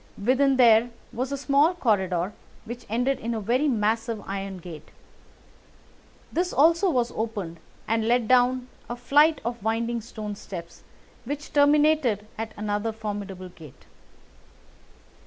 Within there was a small corridor, which ended in a very massive iron gate. This also was opened, and led down a flight of winding stone steps, which terminated at another formidable gate.